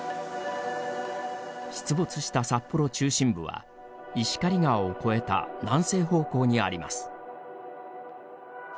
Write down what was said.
出没した札幌中心部は石狩川を越えた南西方向にあります。